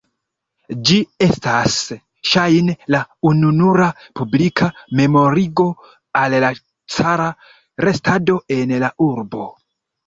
Ĝi estas ŝajne la ununura publika memorigo al la cara restado en la urbo.